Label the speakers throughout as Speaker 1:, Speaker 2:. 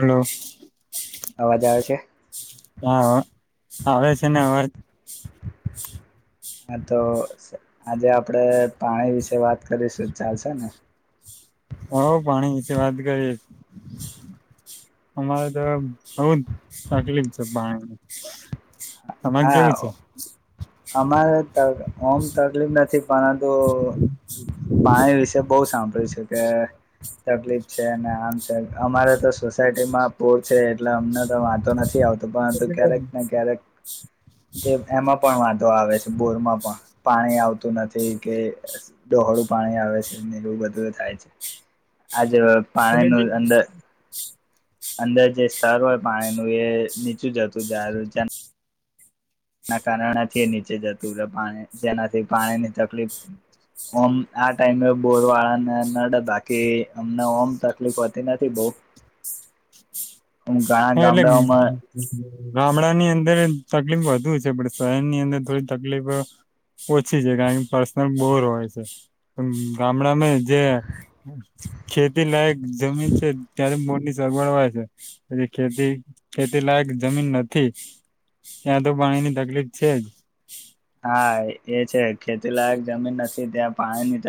Speaker 1: Hello
Speaker 2: અવાજ આવે છે?
Speaker 1: હ આવે છે ને અવાજ.
Speaker 2: હા તો આજે આપડે પાણી વિશે વાત કરીશું ચાલશે ને?
Speaker 1: હો પાણી વિશે વાત કરીએ અમારે તો બહ જ તકલીફ છે પાણીની. તમારે
Speaker 2: હા
Speaker 1: કેવું છે?
Speaker 2: અમારે ઓમ તકલીફ નથી પરંતુ પાણી વિશે બહુ સાંભળ્યું છે. કે તકલીફ છે અને આમ. અમારે તો સોસાયટીમાં પુર છે એટલે અમને તો વાતો નથી આવતો. તો પણ તો ક્યારેક ને ક્યારેક. એમાં પણ. વાંધો આવે છે, બોરમાં પણ પાણી આવતું નથી કે ડહોળું પાણી આવે છેને એવું બધું થાય છે. જે પાણીનું અંદર. અંદર જે સ્તર હોય પાણીનું એ નીચું જતું જું. એના કારણેથી નીચે જતું રહે, પાણી જેનાથી પાણીની તકલીફ ઓમ આ ટાઈમે બોર વાળાને નડે બાકી અમને ઓમ તકલીફ હોતી નથી, બહ.
Speaker 1: હા એલે. ગામડા ની અંદર તકલીફ વધુ છે, પણ શહેર ની અંદર થોડી તકલીફ ઓછી છે, કારણ કે પર્સનલ બોર હોય છે ગામડામાં જે ખેતી લાયક જમીન છે, ત્યારે બોરની સગવડ હોય છે. પછી ખેતી ખેતી લાયક જમીન નથી, ત્યાં તો પાણીની તકલીફ છે જ.
Speaker 2: હા એ છે ખેતીલાયક જમીન નથી ત્યાં પાણીની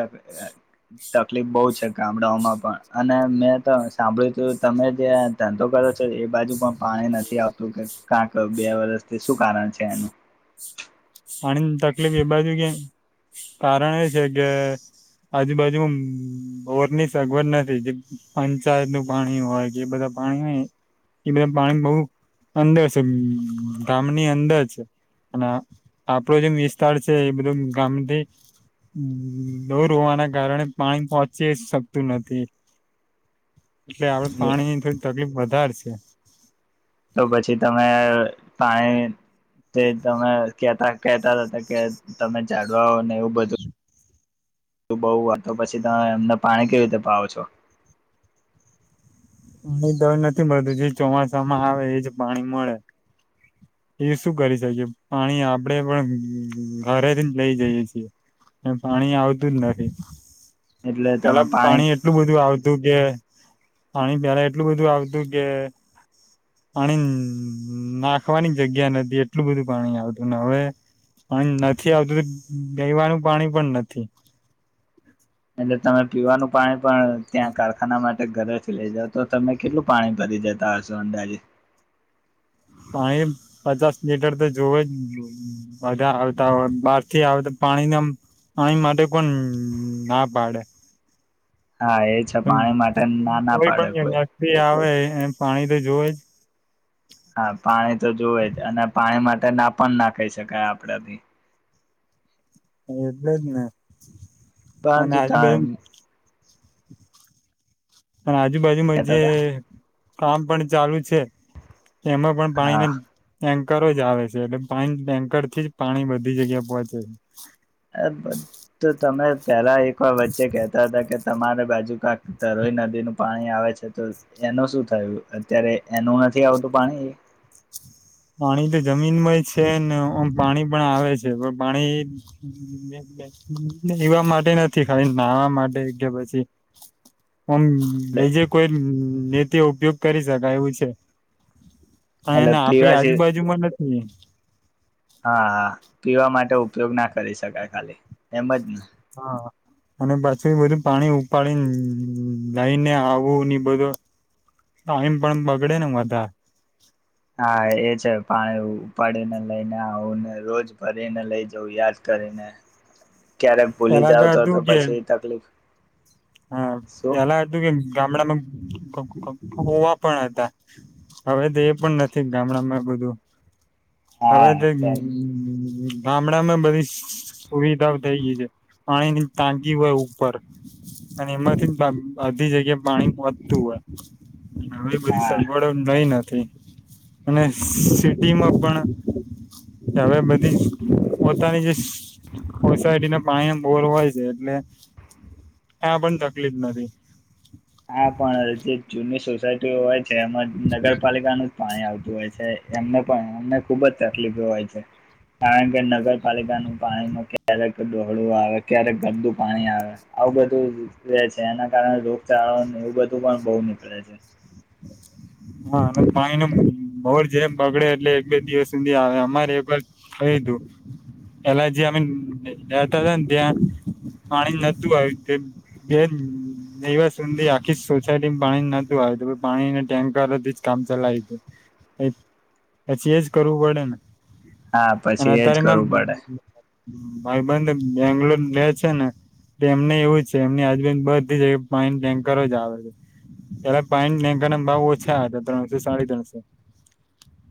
Speaker 2: તકલીફ બહુ છે, ગામડાઓમાં પણ અને મેં તો સાંભળ્યું તું તમે જે ધંધો કરો છો એ બાજુ પણ પાણી નથી આવતું કે ક્યાંક બે વર્ષથી શું કારણ છે એનું?
Speaker 1: પાણીની તકલીફ એ બાજુ કે કારણ એ છે કે આજુબાજુ બોરની સગવડ નથી, જે પંચાયત નું પાણી હોય કે એ બધા પાણી હોય એ બધા પાણી બહ અંદર છે, ગામની અંદર છે અને. આપડો જેમ વિસ્તાર છે, એ બધો ગામથી દૂર હોવાના કારણે પાણી પહોંચી શકતું નથી. એટલે આપડ પાણી થ. તકલીફ વધારે છે.
Speaker 2: તો પછી તમે પાણી તમે કેતા કેતા હતા કે તમે ઝાડવા ને એવું બધું બહુ તો પછી તમે એમને પાણી કેવી રીતે પાવો છો.
Speaker 1: અમને દળ નથી મળતું જે ચોમાસામાં આવે એજ પાણી મળે એ શું કરી શકીએ પાણી આપડે પણ ઘરેથી જ લઈ જઈએ છીએ અને પાણી આવતું જ નથી.
Speaker 2: એટલે તમે
Speaker 1: પેલા પાણી એટલું બધું આવતું કે પાણી પેલા એટલું બધું આવતું કે પાણી નાખવાની જગ્યા નથી એટલું બધું પાણી આવતું ને હવે પાણી નથી આવતું ગઈવાનું પાણી પણ નથી.
Speaker 2: તમે પીવાનું પાણી પણ ત્યાં કારખાના માટે ઘરે જ લઈ જાવ તો તમે કેટલું પાણી ભરી જતા હશો અંદાજે
Speaker 1: પાણી પચાસ લીટર તો જોવ જ બધા આવતા હોય બહારથી આવતા પાણીને પાણી માટે પણ ના પાડે
Speaker 2: હા એ છે પાણી માટે ના ના પાડે કોઈ
Speaker 1: એમ પાણી તો જોવે જ
Speaker 2: હા પાણી તો જોવે જ અને પાણી માટે ના પણ ના કહી શકાય આપડેથી-
Speaker 1: જ એટલે જ ને અને
Speaker 2: બાંધતા
Speaker 1: આજુબાજુ [inaudible] પણ આજુબાજુમાં
Speaker 2: કેતા
Speaker 1: જે
Speaker 2: હતા
Speaker 1: કામ પણ ચાલુ છે એમાં પણ
Speaker 2: હા
Speaker 1: પાણી દરોજ આવે છે એટલે પાણી ટેન્કરથી જ પાણી બધી જગ્યા પહોંચે છે.
Speaker 2: તો તમે પહેલા એકવાર વચ્ચે કેહતા હતા કે તમારે રાજુ કાકા તરોઈ નદીનું પાણી આવે છે તો એનું શું થયું અત્યારે એનું નથી આવતું પાણી
Speaker 1: પાણી તો જમીનમાં છે નેમ પાણી પણ આવે છે પણ પાણી એવા માટે નથી ખાલી નાહવા માટે કે પછી આમ બે
Speaker 2: એટલે
Speaker 1: જે કોઈ ને તે ઉપયોગ કરી શકાય એવું છે. હા
Speaker 2: એટલે
Speaker 1: એને આપ પડી
Speaker 2: પીવા છે.
Speaker 1: આજુબાજુમાં નથી.
Speaker 2: હા હા પીવા માટે ઉપયોગ ના કરી શકાય ખાલી એમ જ ને
Speaker 1: હા અને પછી બધું પાણી ઉપાડીને લઈને આવુંની બધો ટાઈમ પણ બગડે ને વધારે
Speaker 2: હા એ છે પાણી ઉપાડીને લઈને આવુંને રોજ ભરીને લઈ જવુ યાદ કરીને ક્યારેક ભૂલી
Speaker 1: પેલા
Speaker 2: જાવ તો
Speaker 1: હતું
Speaker 2: તો
Speaker 1: કે
Speaker 2: પછી તકલીફ
Speaker 1: હા
Speaker 2: શું
Speaker 1: પેલા હતુ કે ગામડામા કુવા પણ હતા હવે તો એ પણ નથી ગામડામાં બધું હવે
Speaker 2: હા
Speaker 1: તો
Speaker 2: હા
Speaker 1: ગામડામાં બધી સુવિધાઓ થઈ ગય છે પાણીની ટાકી હોય ઉપર અને એમાંથી બધી જગ્યાએ પાણી પોચતું હોય હવે બધી સગવડ નઈ અને સિટીમાં પણ હવે બધી પોતાની જે સોસાયટીને પાણી બોર હોય છે એટલે આપ પણ તકલીફ નથી.
Speaker 2: હા પણ જે [unintelligible] એમાં નગરપાલિકા નુ પાણી આવતું હોય છે એમને પણ એમને ખુબ જ તકલીફ હોય છે કારણ કે નગરપાલિકાનું પાણીમાં ક્યારેક ડોહળું આવે ક્યારેક ગંદુ પાણી આવે આવું બધું રેહછે એના કારણે ચાએવું બધું પણ બહુ મોકલે છે.
Speaker 1: હા પાણી ન બોર જેમ બગડે એટલે એક બે દિવસ સુધી આવે અમારે એક વાર થયું હતું પેલા જે અમે લેતા હતા ને ત્યાં પાણી નતું આવ બે દસ સુધી આખી સોસાયટીમાં પાણી નતું આવું. પાણીના ટેન્કરથી જ કામ ચલાય હતું પછી એજ કરવું પડે ને.
Speaker 2: હા
Speaker 1: અને
Speaker 2: પછી એજ
Speaker 1: અત્યારે એમાં
Speaker 2: કરવું પડે.
Speaker 1: ભાઈબંધ બેંગલોર લે છે ને તેમને એવું છે એમની આજુબાજુ માં બધી જગ્યા એ પાણી ના ટેન્કર જ આવે પાણી ના ટેન્કરના ના ભાવ ઓછા હતા ત્રણસો સાડી ત્રણસો.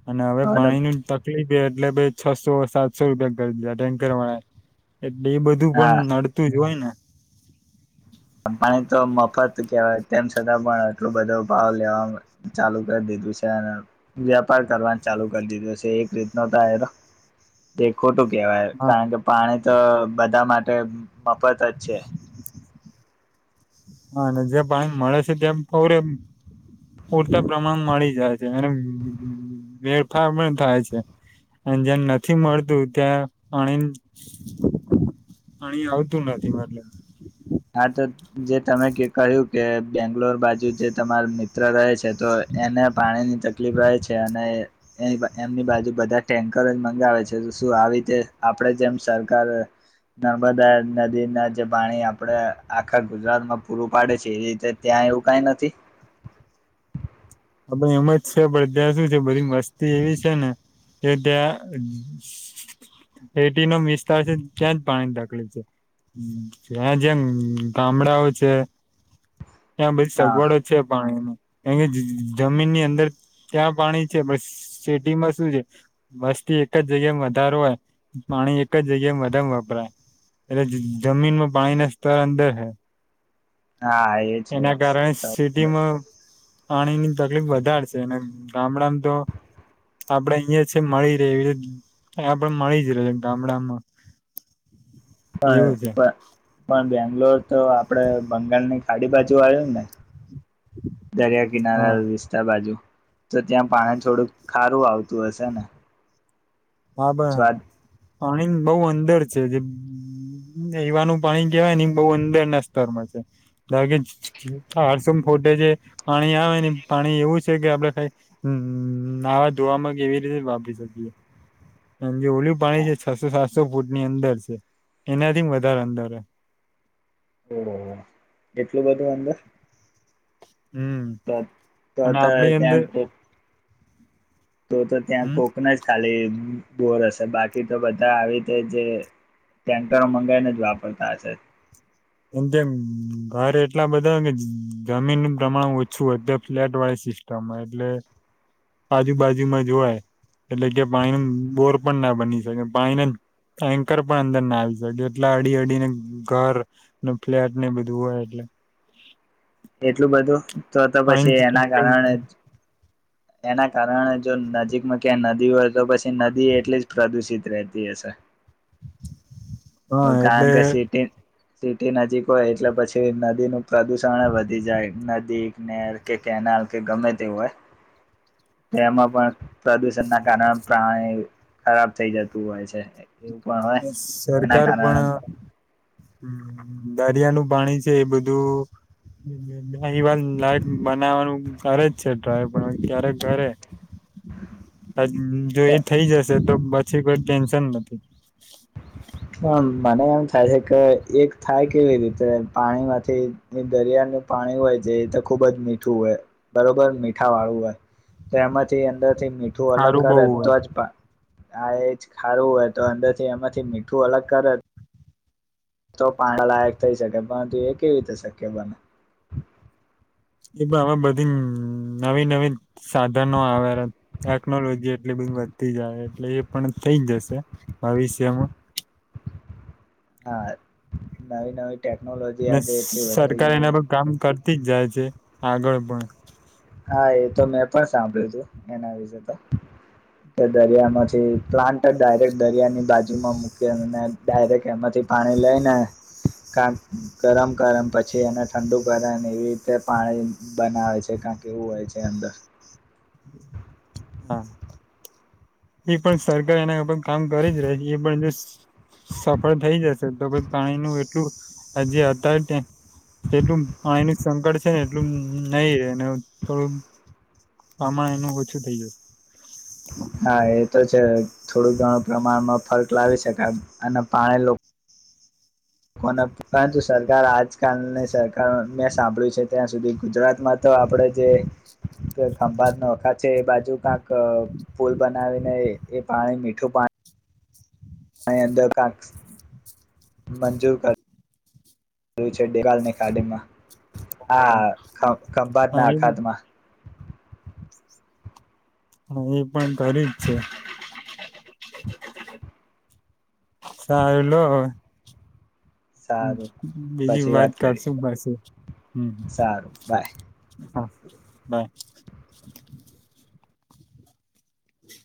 Speaker 1: અને હવે પાણીની તકલીફ એટલે ભાઈ છસો સાતસો રૂપિયા કરી દીધા ટેન્કર વાળાએ. એટલે એ બધું પણ
Speaker 2: હા
Speaker 1: નડતું જ હોય ને.
Speaker 2: કવાય તેમ છતાં પણ આટલું બધો ભાવ લેવા ચાલુ કરી દીધું છે અને વ્યાપાર કરવા ચાલુ કરી દીધું છે એક રીતનો તો જે ખોટું કેવાય
Speaker 1: હા
Speaker 2: કારણ કે પાણી તો બધા માટે ટે મફત જ છે.
Speaker 1: હા અને જે પાણી મળે છે ત્યા પૂરે પૂરતા પ્રમાણ મળી જાય છે અને વેરફાર પણ થાય છે અને જેમ નથી મળતું ત્યાં પાણી પાણી આવતું નથી મતલબ.
Speaker 2: હા તો જે તમે કહ્યું કે બેંગ્લોર બાજુ જે તમાર મિત્ર રહે છે તો એને પાણી ની તકલીફ રહે છે અને એ એમની બાજુ બધા ટેન્કરો જ મંગાવે છે શું આવી રીતે આપણે જેમ સરકાર નર્મદા નદીના જે પાણી આપડે આખા ગુજરાતમાં પૂરું પાડે છે એ રીતે ત્યાં એવું કાઈ નથી?
Speaker 1: અ એમ જ છે પણ ત્યાં સુું છે બધી મસ્તી એવી છે ને કે ત્યાં એટી નો વિસ્તાર છે ત્યાં જ પાણીની તકલીફ છે જ્યાં જ્યાં ગામડાઓ છે. ત્યાં બછી
Speaker 2: હા
Speaker 1: સગવડો છે પાણી ન કારણ કે જમીનની અંદર ત્યાં પાણી છે પણ સિટીમાં શું છે વસ્તી એક જ જગ્યા વધારો હોય પાણી એક જ જગ્યા વધમ વપરાય એટલે જમીનમાં પાણીના સ્તર અંદર હે.
Speaker 2: હા એ છે
Speaker 1: એના કારણે સિટીમાં પાણીની તકલીફ વધારે છે અને ગામડામાં તો આપડે અહીયા છે મળી રહે એવીતે આપડ મળી જ ર ગામડામાં.
Speaker 2: હા.
Speaker 1: એવું છે
Speaker 2: પણ બેંગ્લોર તો આપડે બં આગળ ની ખાડી બાજુ આવ્યું ને દરિયા કિનારા
Speaker 1: હા
Speaker 2: વિસ્તાર બાજુ. તો ત્યાં પાણી થોડુંક ખારું આવતું હશે ને?
Speaker 1: બાબ.
Speaker 2: સ્વાદ
Speaker 1: પાણી બહું અંદર છે જે એવાનું પાણી કેહેવાય ને બહું અંદર ના સ્તરમાં છે ધ કે હરસોમ ફોટે જે પાણી આવે ને પાણી એવું છે કે આપડે કઈ નાવા ધોવામાં એવી રીતે વાપી શકીએ. એ જે ઓલું પાણી છે છસો સાતસો ફૂટની અંદર છે એનાથી વધારે અંદર.
Speaker 2: ઓ એટલું બધું અંદર?
Speaker 1: હમ
Speaker 2: તો તો
Speaker 1: અને
Speaker 2: તો
Speaker 1: આપડી અંદર
Speaker 2: ત્યાં ખબ તો તો ત્યાં
Speaker 1: હમ
Speaker 2: કોકના જ ખાલી બોર હશે બાકી તો બધા આવી રીતે જે ટેન્કરો મંગાવાઈને જ વાપરતા હશે
Speaker 1: એમ ઘર એટલા બધા હોય કે જમીનનું પ્રમાણ ઓછું હોય તે ફ્લેટ વાય સિસ્ટમ એટલે આજુબાજુમાં જોય એટલે કે પાણી ન બોર પણ ના બની શકે પાણીના ટેન્કર પણ અંદર ના આવી શકે એટલા અડી અડીને ઘર ન ફ્લેટ ને બધું હોય એટલે
Speaker 2: એટલું બધું તો તો પછી એના કારણે
Speaker 1: પાણી
Speaker 2: એના કારણે જો નજીકમાં ક્યાં નદી હોય તો પછી નદી એટલી જ પ્રદુષિત રહેતી હશે
Speaker 1: હા
Speaker 2: કારણ
Speaker 1: એટલે
Speaker 2: કે સિટી સિટી નજીક હોય એટલે પછી નદીનું પ્રદુષણ વધી જાય નદી કનેર કે કેનાલ કે ગમે તે હોય તેમાં પણ પ્રદુષણ ના કારણે પ્રાણી ખરાબ થઈ જતું હોય છે એવું પણ હોય એના
Speaker 1: સરકાર પણ
Speaker 2: કારણે
Speaker 1: દરિયાનું પાણી છે એ બધું વાર લાયક બનાવવાનું કરે જ છે ટ્રાય પણ ક્યારેક ઘરે જો એ થઈ જશે તો પછી કોઈ ટેન્શન નથી [inaudible]
Speaker 2: હમ્મ મને એમ થાય છે કે એક થાય કેવી રીતે પાણીમાંથી એ દરિયાનું પાણી હોય છે એ તો ખુબ જ મીઠું હોય બરોબર મીઠા વાળું હોય તો એમાંથી અંદર મીઠું અલગ
Speaker 1: ખારું બહુ
Speaker 2: કરે
Speaker 1: હોય
Speaker 2: તો જ પણ આા એજ ખારું હોય તો અંદર થી એમાંથી મ. મીઠુ અલગ કરે તો પાણાલાયક થઈ શકે પરંતુ એ કેવી રીતે શક્ય બને.
Speaker 1: એ હવે બધી નવી નવી સાધનો આવે ટેકનોલોજી એટલી બધી વધતી જાય એટલે એ પણ થઈ જશે ભવિષ્યમાં.
Speaker 2: હા નવી નવી. ટેકનોલોજી આજે એટલી વધતી
Speaker 1: સરકાર
Speaker 2: ગઈ
Speaker 1: એના પર કામ કરતી. થી જ જાય છે આગળ પણ.
Speaker 2: હા એ તો મેં પણ સાંભળ્યું હતું એના વિશેે તો કે દરિયામાંથી પ્લાન્ટ ડાયરેક્ટ દરિયાની બાજુમાં મૂકી ડાયરેક્ટ એમાંથી પાણી લઈ ને કાક ગરમ કર પછી એને ઠંડુ કરે ને એવી રીતે પાણી બનાવે છે કં. કેવું હોય છે અંદર.
Speaker 1: હા એ પણ સરકાર એના ઉપર કામ કરી જ રહી છે એ પણ જો સફળ થઈ જશે તો પાણીનું એટલું જે અ એટલું પાણી ન સંકટ છે ને એટલું નહી થોડું પ્રમાણ એનું ઓછું થઈ જશે.
Speaker 2: હા એ
Speaker 1: [inaudible]
Speaker 2: છે થોડું ઘણું પ્રમાણમાં ફર્ક લાવી શકાય અને પાણી લોકો. કો પરંતુ સરકાર આજકાલ નહી સરકાર. મેં સાંભળ્યું છે ત્યાં સુધી ગુજરાતમાં તો આપણે જે. તો ખંભાત નોખા છે એ બાજુ કક પુલ બનાવીને એ પાણી મીઠું પાણી. પા અધ ક મંજૂર કર્યું છે [unintelligible] ખાડીમાં. હા ખંભાત
Speaker 1: હા
Speaker 2: ના
Speaker 1: એ
Speaker 2: અખાતમાં.
Speaker 1: હા એ પણ તારી જ છે સારું લો.
Speaker 2: સારું
Speaker 1: બીજી
Speaker 2: પછી
Speaker 1: વાત
Speaker 2: કરી
Speaker 1: કરશું પછી હમ્મ
Speaker 2: સારું બાય
Speaker 1: હા. બાય